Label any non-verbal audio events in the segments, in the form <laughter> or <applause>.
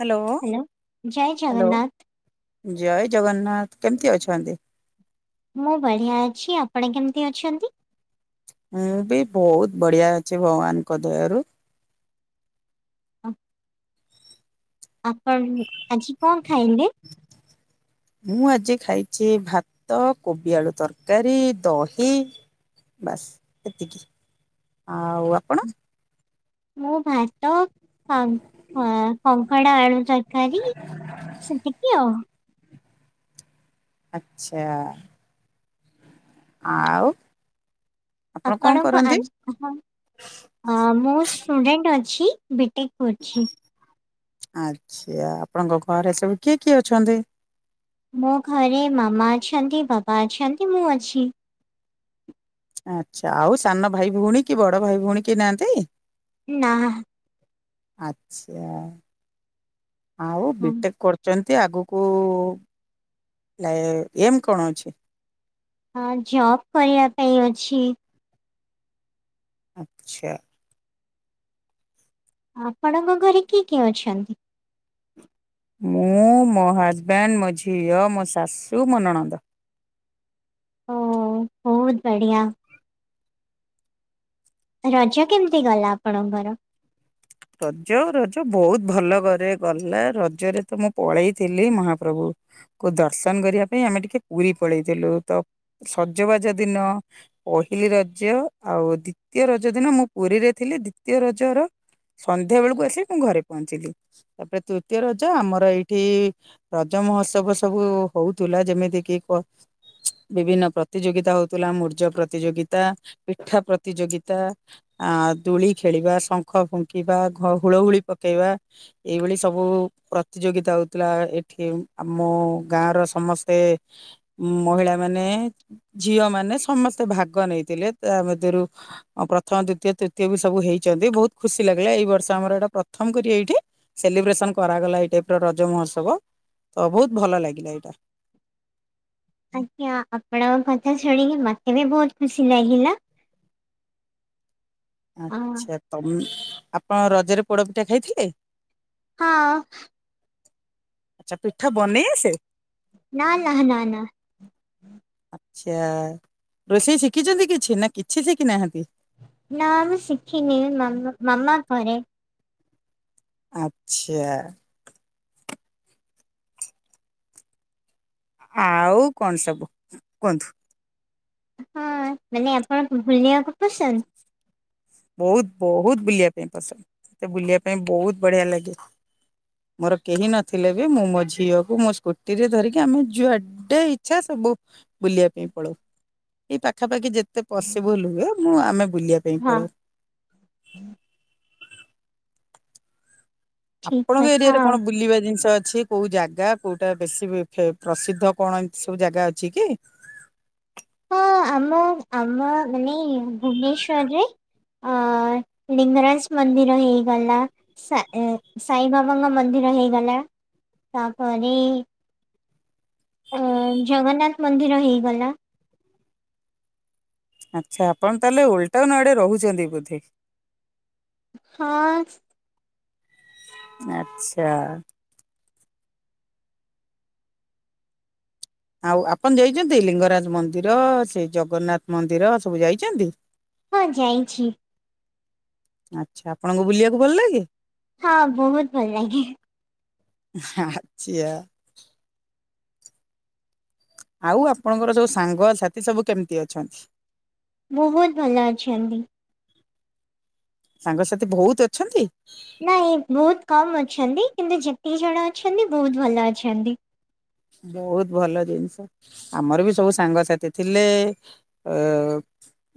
Hello hello ଜୟ hello Jagannath ଜୟ ଜଗନ୍ନାଥ କେମିତି ଅଛନ୍ତି? ମୁଁ ବଢିଆ ଅଛି ଆପଣ କେମିତି ଅଛନ୍ତି? ମୁଁ ବି ବହୁତ୍ ବଢିଆ ଅଛି ଭଗବାନଙ୍କ ଦୟା ରୁ। <unintelligible> ଆପଣ ଆଜି କଣ ଖାଇଲେ? ମୁଁ ଆଜି ଖାଇଛି ଭାତ କୋବି ଆଳୁ ତରକାରୀ ଦହି ବାସ୍ ଏତିକି। ଆଉ ଆପଣ? ମୁଁ ଭାତ କଙ୍କଡ଼ା ଆଳୁ ତର କାରୀ ସେତିକି ଆଉ ଆଚ୍ଛା। ଆଉ ଆପଣ କଣ ଆପଣଙ୍କୁ କରନ୍ତି? ହଁ ଆ ମୁଁ ଷ୍ଟୁଡେଣ୍ଟ ଅଛି ବିଟେକ୍ କରୁଛି। ଆଚ୍ଛା। ଆପଣଙ୍କ ଘରେ ସବୁ କିଏ କିଏ ଅଛନ୍ତି? ମୋ ଘରେ ମାମା ଅଛନ୍ତି ବାବା ଅଛନ୍ତି ମୁଁ ଅଛି। ଆଚ୍ଛା। ଆଉ ସାନ ଭାଇ ଭଉଣୀ କି ବଡ଼ ଭାଇ ଭଉଣୀ କେହି ନାହାନ୍ତି? ନା। ଆଚ୍ଛା। ଆଉ ହଁ। ବିଟେକ୍ କରୁ ଚେନ୍ତି ଆଗକୁ ଏ ଏମ୍ କଣ ଅଛି? ହଁ, ଜବ୍ କରିବା ପାଇଁ ଅଛି। ଆଚ୍ଛା। ଆପଣଙ୍କ ଘରେ କିଏ କିଏ ଅଛନ୍ତି? ମୁଁ, ମୋ ହଜବେ୍ଣ୍ଡ, ମୋ ଝିଅ, ମୋ ଶାଶୁ, ମୋ ନଣନ୍ଦ। ଓ ବହୁତ ବଢିଆ। ରଜ କେମିତି ଗଲା ଆପଣଙ୍କର? ରଜ ରଜ ବହୁତ ଭଲ କରେ ଗଲା। ରଜରେ ତ ମୁଁ ପଳେଇଥିଲି ମହାପ୍ରଭୁ କୁ ଦର୍ଶନ କରିବା ପାଇଁ ଆମେ ଟିକେ ପୁରୀ ପଳେଇଥିଲୁ। ତ ସଜବାଜ ଦିନ ପହିଲି ରଜ ଆଉ ଦ୍ଵିତୀୟ ରଜ ଦିନ ମୁଁ ପୁରୀରେ ଥିଲି ଦ୍ଵିତୀୟ ରଜର ସନ୍ଧ୍ୟା ବେଳକୁ ଆସି ମୁଁ ଘରେ ପହଞ୍ଚିଲି ତାପରେ ତୃତୀୟ ରଜ ଆମର ଏଇଠି ରଜ ମହୋତ୍ସବ ସବୁ ହଉଥୁଲା ଯେମିତି କିି? ବିଭିନ୍ନ ପ୍ରତିଯୋଗିତା ହଉଥୁଲା ମୂର୍ଜ ପ୍ରତିଯୋଗିତା। ପିଠା ପ୍ରତିଯୋଗିତା, ଆ ଦୂଳି ଖେଳିବା, ଶଙ୍ଖ ଫୁକୁ କିବା ଘ ହୁଳହୁୁଳି ପକେଇବା। ଏଇଭଳି ସବୁ ପ୍ରତିଯୋଗିତା ହଉଥିଲା ଏଠି ଆମ ଗାଁ ର ସମସ୍ତେ। ଉଁ ମହିଳା ମାନେ ଝିଅ ମାନେ ସମସ୍ତେ ଭାଗ ନେଇଥିଲେ। ତା ସେତିରୁ ପ୍ରଥମ, ଦ୍ଵିତୀୟ, ତୃତୀୟ ବି ସବୁ ହେଇଛନ୍ତି ବହୁତ ଖୁସି। ପିଲା ପିଲା ଏଇ ବର୍ଷ ଆମର ଏଇଟା ପ୍ରଥମ କରି ଏଇଠି ସେଲିବ୍ରେସନ କରାଗଲା ଏଇଟା ପୁରା ରଜ ମହୋତ୍ସବ। ତ ବହୁତ ଭଲ ଲାଗିଲା ଏଇଟା। ଆଜ୍ଞା, ଆପଣଙ୍କ କଥା ଶୁଣିକି ମତେ ବି ବହୁତ ଖୁସି ଲାଗିଲା। ଅ ଆଚ୍ଛା, ତମେ ଆପଣ ରଜରେ ପୋଡପିଠା ଖାଇଥିଲେ? ହଁ। ଚା ପିଠା ବନେଇ ଆସେ? ନା ନାହା ନା ନା। ଆଚ୍ଛା, ରୋଷେଇ ଶିଖିଛନ୍ତି କିଛି ନା କିଛି ଶିଖି ନାହାନ୍ତି? ନା, ମୁଁ ଶିଖିନେହିଁ ମା ମାମା କରେ। ଆଚ୍ଛା। ଆଉ କଣ ସବୁ କୁହନ୍ତୁ? ହଁ, ମାନେ ଆପଣ ବୁଲିବାକୁ ପସନ୍ଦ? ବହୁତ ବହୁତ ବୁଲିବା ପାଇଁ ପସନ୍ଦ ମତେ ବୁଲିବା ପାଇଁ ବହୁତ ବଢିଆ ଲାଗୁଥୁବ। ମୋର କେହି ନଥିଲେ ବି, ମୁଁ ମୋ ଝିଅକୁ ମୋ ସ୍କୁଟି ରେ ଧରିକି ମୁଁ ଯୁଆ ଯୁଡେ ଇଚ୍ଛା ସବୁ ବୁଲିବା ପାଇଁ ପଳଉ ଏଇ ପାଖାପାଖି ଯେତେ ପସିବୁଲୁ ହୁଏ ମୁଁ ଆମେ ବୁଲିବା ପାଇଁ ହଁ ପଳଉ। ଠିକ ଆପଣଙ୍କ କଥା ଏରିଆରେ ଆଉ। କଣ ବୁଲିବା ଜିନିଷ ଅଛି? କୋଉ ଜାଗା, କୋଉଟା ବେଶୀ ପ୍ରସିଦ୍ଧ କଣ ଏମତି ସବୁ ଜାଗା ଅଛି କି? ହଁ ଆମ ଆମ ମାନେ ଭୁବନେଶ୍ୱରରେ। ଅ ଲିଙ୍ଗରାଜ ମନ୍ଦିର ହେଇଗଲା। ସା ଏ ସାଇବାବାଙ୍କ ମନ୍ଦିର ହେଇଗଲା ତାପରେ ଉ ଜଗନ୍ନାଥ ମନ୍ଦିର ହେଇଗଲା। ଆଚ୍ଛା, ଆପଣ ତାହେଲେ ଓଲଟାଉନ୍ ଆଡେ ରହିଛନ୍ତି ବୋଧେ? ହଁ। ଆଚ୍ଛା। ଆଉ ଆପଣ ଯାଇଚନ୍ତି ଲିଙ୍ଗରାଜ ମନ୍ଦିର ସେଇ ଜଗନ୍ନାଥ ମନ୍ଦିର ସବୁ ଯାଇଚନ୍ତି? ହଁ ଯାଇଛି। ଆଚ୍ଛା, ଆପଣଙ୍କୁ ବୁଲିବାକୁ ଭଲ ଲାଗେ? ହଁ, ବହୁତ ଭଲ ଲାଗେ। ଆଛିଆ। ଆଉ ଆପଣଙ୍କର ସବୁ ସାଙ୍ଗ ସାଥି ସବୁ କେମିତି ଅଛନ୍ତି? ମୁଁ ବହୁତୁ ଭଲ ଅଛନ୍ତି। ସାଙ୍ଗସାଥି ଭୋଉତ୍ ଅଛନ୍ତି? ନାଇଁ ବହୁତ କମ୍ ଅଛନ୍ତି କିନ୍ତୁ ଯେତିକି ଜଣ ଅଛନ୍ତି ବହୁତ ଭଲ ଅଛନ୍ତି। ବହୁତ୍ ଭଲ ଜିନିଷ। ଆମର ବି ସବୁ ସାଙ୍ଗସାଥି ଥିଲେ ଏ।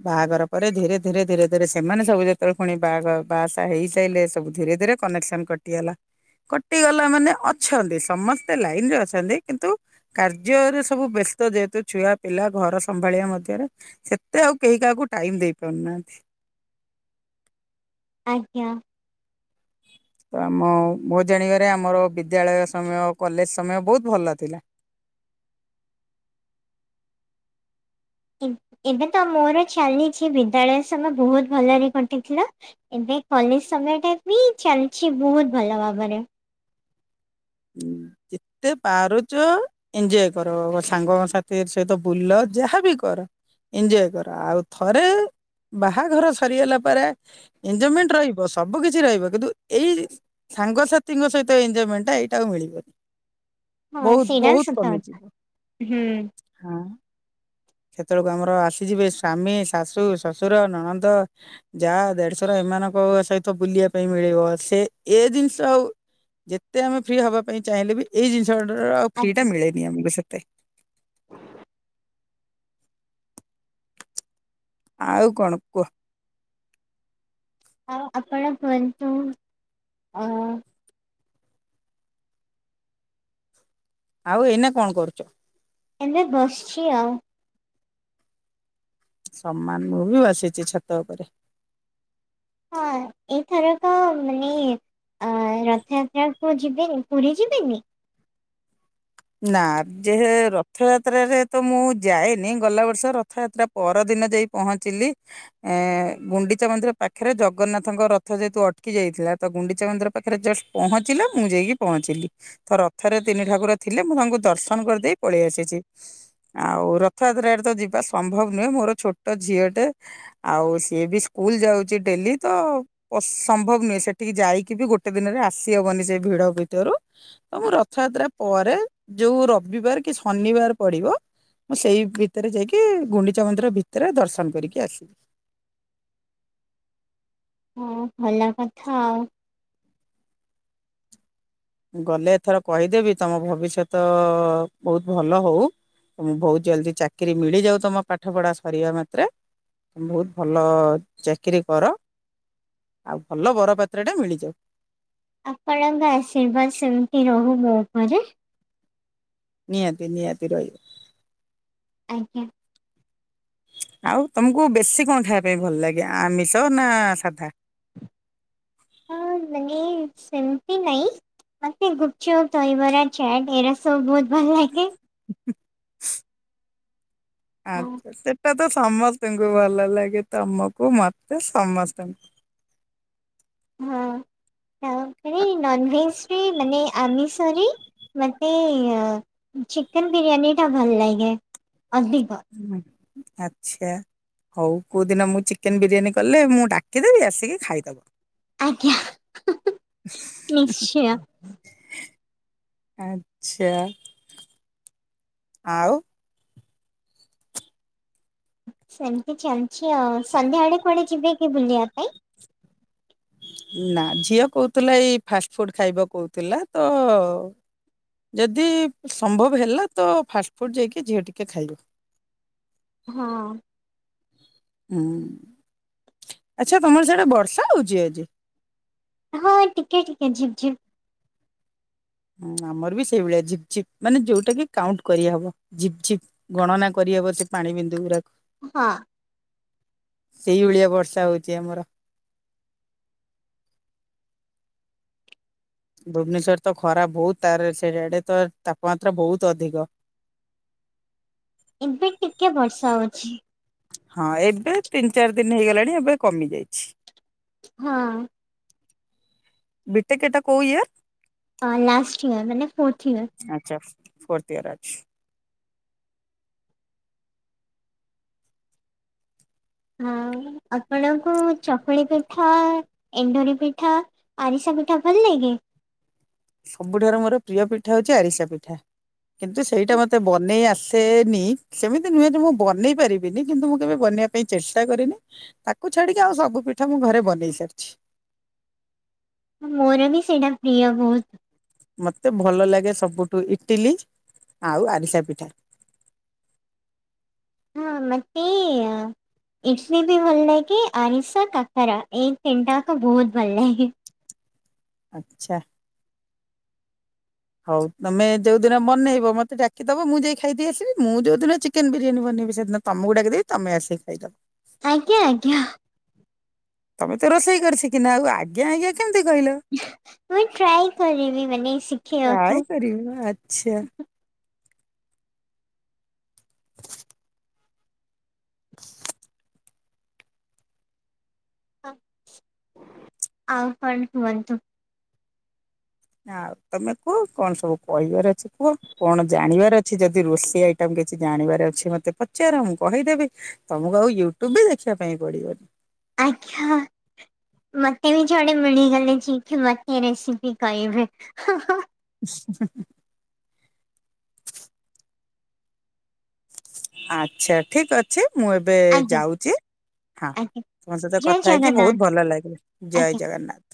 ବାହାଘର ପରେ ଧୀରେ ଧୀରେ ଧୀରେ ଧୀରେ ସେମାନେ ସବୁ ଯେତେବେଳେ ପୁଣି ବାହାଘର ବାହାସାହା ହେଇସାଇଲେ ସବୁ ଧୀରେ ଧୀରେ କନେକ୍ସନ କଟିଗଲା କଟିଗଲା ମାନେ ଅଛନ୍ତି ସମସ୍ତେ ଲାଇନ ରେ ଅଛନ୍ତି। କିନ୍ତୁ କାର୍ଯ୍ୟରେ ସବୁ ବ୍ୟସ୍ତ ଯେହେତୁ ଛୁଆ ପିଲା ଘର ସମ୍ଭାଳିବା ମଧ୍ୟରେ ସେତେ ଆଉ କେହି କାହାକୁ ଟାଇମ ଦେଇ ପାରୁନାହାନ୍ତି। ଆଜ୍ଞା। ତ ଆମ ମୋ ଜାଣିବାରେ ଆମର ବିଦ୍ୟାଳୟ ସମୟ କଲେଜ ସମୟ ବହୁତ ଭଲ ଥିଲା। ଏବେ ତ ମୋର ଚାଲିଛି ବିଦ୍ୟାଳୟ ସମୟ ବହୁତ ଭଲରେ ଘଟିଥିଲା। ଏବେ କଲେଜ ସମୟ ଟା ବି ଚାଲିଛି ବହୁତ ଭଲ ଭାବରେ। ଯେତେ ପାରୁଚ ଏଞ୍ଜୟ କର ସାଙ୍ଗସାଥି ସହିତ ବୁଲ ଯାହାବି କର। ଏଞ୍ଜୟ କର ଆଉ ଥରେ ବାହାଘର ସରିଗଲା ପରେ ଏଞଜୟମେଣ୍ଟ ରହିବ ସବୁ କିିଛି ରହିବ କିନ୍ତୁ ଏଇ ସାଙ୍ଗସାଥିୀଙ୍କ ସହିତ ଏଜୟମେଣ୍ଟଟା ଏଇ ତାକୁ ମିଳିବନି। - ହଁ ସେଇଟା ସତ କଥା ହୁଁ। ହଁ ସେତେବେଳକୁ ଆମର ଆସିଯିବେ ସ୍ଵାମୀ ଶାଶୁ ଶ୍ୱଶୁର ନଣନ୍ଦ। ଜା ଦେଢଶୁର ଏମାନଙ୍କ ସହିତ ବୁଲିବା ପାଇଁ ମିଳିବ ସେ ଏ ଜିନିଷ ଆଉ। ଯେତେ ଆମେ ଫ୍ରି ହବା ପାଇଁ ଚାହିଁଲେ ବି ଏଇ ଜିନିଷ ଆଉ ଫ୍ରି ଆଜ୍ଞା ଟା ମିଳେନି ଆମକୁ ସେତେ। ଆଉ କଣ କୁହ। ଆଉ ଆପଣ କୁହନ୍ତୁ ଆ ଆଉ ଏଇନା କଣ କରୁଛ? ଏନ ବସିଛି ଆଉ ସମାନ ମୁଁ ବି ବସିଛି ଛତ ଉପରେ। ହଁ ଏଇଥରକ ମାନେ ଅ ରଥଯାତ୍ରାକୁ ଯିବେନି ପୁରୀ ଯିବେନି? ନା ଯେ ରଥଯାତ୍ରାରେରେ ତ ମୁଁ ଯାଏନି ଗଲା ବର୍ଷ ରଥଯାତ୍ରା ପରଦିନ ଯାଇ ପହଞ୍ଚିଲି ଏ ଗୁଣ୍ଡିଚା ମନ୍ଦିର ପାଖରେ ଜଗନ୍ନାଥଙ୍କ ରଥ ଯେହେତୁ ଅଟକି ଯାଇଥିଲା ତ ଗୁଣ୍ଡିଚା ମନ୍ଦିର ପାଖରେ ଜଷ୍ଟ ପହଞ୍ଚିଲା ମୁଁ ଯାଇକି ପହଞ୍ଚିଲି ଥର ରଥରେ ତିନି ଠାକୁର ଥିଲେ ମୁଁ ତାଙ୍କୁ ଦର୍ଶନ କରିଦେଇ ପଳେଇ ଆସିଛି। ଆଉ ରଥଯାତ୍ରରେ ତ ଯିବା ସମ୍ଭବ ନୁହେଁ ମୋର ଛୋଟ ଝିଅଟେ,, ଆଉ ସିଏ ବି ସ୍କୁଲ ଯାଉଚି ଡେଲି ତ ସମ୍ଭବ ନୁହେଁ ସେଠିକି ଯାଇକି ବି ଗୋଟେ ଦିନରେ ଆସିହବନି ସେ ଭିଡ ଭିତରୁ ତ ମୁଁ ରଥଯାତ୍ରା ପରେ ଯୋଉ ରବିବାର କି ଶନିବାର ପଡିବ ମୁଁ ସେଇ ଭିତରେ ଯାଇକି ଗୁଣ୍ଡିଚା ମନ୍ଦିର ଭିତରେ ଦର୍ଶନ କରିକି ଆସିବି। ହଁ ଭଲ କଥା ଆଉ ଗଲେ ଏଥର କହିଦେବି ତମ ଭବିଷ୍ୟତ ବହୁତ ଭଲ ହଉ ତମକୁ ବହୁତ ଜଲଦି ଚାକିରରି ମିଳିଯାଉ ତମ ପାଠ ପଢା ସରିବା ମାତ୍ରେ ବହୁତ ଭଲ ଚାକିରୀ କର ଆଉ ଭଲ ବରପାତ୍ର ଟା ମିଳିଯାଉ। ଆପଣଙ୍କ ଆଶୀର୍ବାଦ ସେମିତି ରହୁ ମୋ ଉପରେ ନିହାତି ନିହାତି ରହିବ। ଆଜ୍ଞା। ଆଉ ତମକୁ ବେଶୀ କଣ ଖାଇବା ପାଇଁ ଭଲ ଲାଗେ ଆମିଷ ନା ସାଧା? ହଁ ମାନେ ସେମତି ନାଇଁ। ମତେ ଗୁପଚୁପ ଦହିବରା ଚାଟ୍ ଏରା ସବୁ ବହୁତ ଭଲ ଲାଗେ। ହଁ ଆଛା ସେଟା ତ ସମସ୍ତଙ୍କୁ ଭଲ ଲାଗେ ତମକୁ ମତେ ସମସ୍ତଙ୍କୁ। ହଁ ତାପରେ ନନଭେଜରେ ମାନେ ଆମିଷ ତରେ ମତେ ଚିକେନ ବିରିୟାନୀ ଟା ଭଲ ଲାଗେ। ଅଧିକ। ଆଛା। ହଉ କୋଉ ଦିନ ମୁଁ ଚିକେନ ବିରିୟାନୀ କଲେ ମୁଁ ଡାକିଦେବି ଆସିକି ଖାଇଦବ। ଆଜ୍ଞା ନିଶ୍ଚୟ। ଆଛା ଆଉ। ସେମିତି ଚାଲିଛି ଆଉ ସନ୍ଧ୍ୟାବେଳେ କୁଆଡେ ଯିବେ କି ବୁଲିବା ପାଇଁ। ନା ଝିଅ କହୁଥିଲା ଏଇ ଫାଷ୍ଟ ଫୁଡ ଖାଇବାକୁ କହୁଥିଲା ତ ଯଦି ସମ୍ଭବ ହେଲା ତ ଫାଷ୍ଟଫୁଡ଼୍ ଯାଇକି ଝିଅ ଟିକେ ଖାଇବ। ହଁ। ହୁଁ ଆଛା ତମର ସାଡେ ବର୍ଷା ହଉଛି ଆଜି। ହଁ ଟିକେ ଟିକେ ଝିପ୍ ଝିପ୍। ହୁଁ ଆମର ବି ସେଇଭଳିଆ ଝିପ୍ ଝିପ୍ ମାନେ ଯୋଉଟା କି କାଉଣ୍ଟ କରିହବ ଝିପ୍ ଝିପ୍। ଗଣନା କରିହବ ସେ ପାଣି ବିନ୍ଦୁ ଗୁଡାକୁ। ହଁ। ସେଇଭଳିଆ ବର୍ଷା ହଉଛି ଆମର। ଭୁବନେଶ୍ୱର ତ ଖରା ବହୁତ ତାର ସେଆଡେ ତ ତାପମାତ୍ରା ବହୁତ ଅଧିକ। ଏବେ ଟିକେ ବର୍ଷା ହଉଛି। ହଁ ଏବେ ତିନି ଚାରି ଦିନ ହେଇଗଲାଣି ଏବେ କମି ଯାଇଛି। ହଁ। ବିଟେକ୍ ଏଟା କୋଉ ଇୟର। ଅଁ ଲାଷ୍ଟ ଇୟର ମାନେ ଫୋର୍ଥ ଇୟର। ଆଚ୍ଛା ଫୋର୍ଥ ଇୟର ଅଛି। ଆଉ ଆପଣଙ୍କୁ ଚକୁଳି ପିଠା ଏଣ୍ଡୁରି ପିଠା ଆରିଷା ପି ଠା ଭଲ ଲାଗେ। ସବୁଠାରୁ ମୋର ପ୍ରିୟ ପିଠା ହଉଛି ଆରିସା ପିଠା। କିନ୍ତୁ ସେଇଟା ମତେ ବନେଇ ଆସେଏ ନି ସେମିତି ନୁହେଁ ଯେ ମୁଁ ବନେଇ ପାରିବିନି କିନ୍ତୁ ମୁଁ କେବେ ବନେଇବା ପାଇଁ ଚେଷ୍ଟା କରିନି ତାକୁ ଛାଡିକି ଆଉ ସବୁ ପିଠା ମୁଁ ଘରେ ବନେଇ ସାରିଛି। ମୋର ବି ସେଇଟା ପ୍ରିୟ ବହୁତ। ମତେ ଭଲ ଲାଗେ ସବୁଠୁ ଇଟିଲି ଆଉ ଆରିଷା ପିଠା। ହଁ ମତେ ଇଟିଲି ବି ଭଲ ଲାଗେ ଆରିସା କାକରା ଏଇ ତିନିଟାକ ବହୁତ ଭଲ ଲାଗେ। ଆଚ୍ଛା। ହଉ ତମେ ଯୋଉଦିନ ବନେଇବ ମତେ ଡାକିଦବ ମୁଁ ଯାଇ ଖାଇଦେଇ ଆସିବି ମୁଁ ଯୋଉ ଦିନ ଚିକେନ ବିରିୟାନୀ ବନେଇବି ସେଦିନ ତମକୁୁ ଡାକିଦେବି ତମେ ଆସି ଖାଇଦବ। ଆଜ୍ଞା ଆଜ୍ଞା। ତମେ ତ ରୋଷେଇ କରିଶିଖିନ ଆଉ ଆଜ୍ଞା ଆଜ୍ଞା କେମିତି କହିଲ। ମୁଁ ଟ୍ରାଏ କରିବି ମାନେ ଶିଖେଇବାକୁ। ଟ୍ରାଏ କରିବ ଆଛା। <inaudible> <inaudible> ଆଉ କଣ କୁହନ୍ତୁ। ଆଉ ତମେ କୁହ କଣ ସବୁ କହିବାର ଅଛି। କୁହ କଣ ଜାଣିବାର ଅଛି ଯଦି ରୋଷେଇ ଆଇଟମ କିଛି ଜାଣିବାର ଅଛି ମତେ ପଚାର ମୁ କହିଦେବି। ତମକୁ ଆଉ ୟୁଟ୍ୟୁବ ବି ଦେଖିବା ପାଇଁ ପଡିବନି। ଆଜ୍ଞା। ମତେ ବି ଜଣେ ମିଳିଗଲେ ଯେ କି ମତେ ରେସିପି କହିବେ। <inaudible> ଆଚ୍ଛା, ଠିକ୍ ଅଛି ମୁଁ ଏ ଏବେ ଆଜ୍ଞା ଯାଉଛି ହଁ ଆଜ୍ଞା ତମ ସହିତ ଜୟ କଥା ହେଇକି ଜଗନ୍ନାଥ ବହୁତ ଭଲ ଲାଗିଲା, ଆଜ୍ଞା। ଜୟ ଜଗନ୍ନାଥ।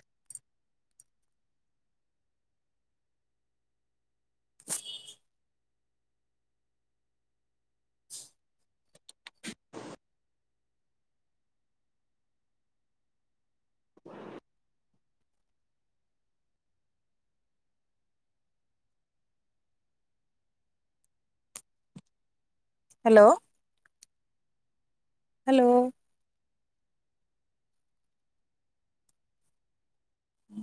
ହାଲୋ! ହାଲୋ!